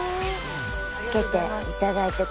着けていただいて。